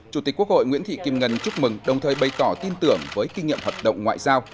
chủ tịch quốc hội nguyễn thị kim ngân chúc mừng đồng thời bày tỏ tin tưởng với kinh nghiệm hợp đồng ngoại giao